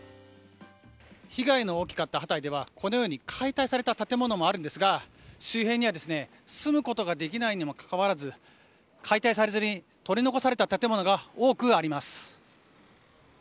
被害の大きかったハタイでは解体された建物もあるんですが周辺には住むことができないにもかかわらず解体されずに取り残された建物が多くあります。